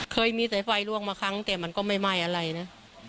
เคยมีสายไฟล่วงมาครั้งแต่มันก็ไม่ไหม้อะไรนะ